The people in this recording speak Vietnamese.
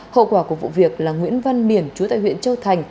hậu quả của vụ việc là nguyễn văn miển chú tại huyện châu thành